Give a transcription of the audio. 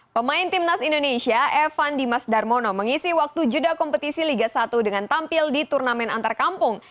pemain timnas indonesia evan dimas darmono mengisi waktu jeda kompetisi liga satu dengan tampil di turnamen antar kampung